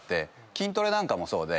筋トレなんかもそうで。